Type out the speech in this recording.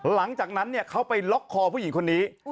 หลังจากนั้นเขาไปล็อกคอผู้หญิงคนนี้